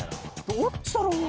どっちだろうな。